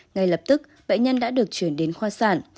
ngay lập tức bệnh nhân đã được chuyển đến khoa sản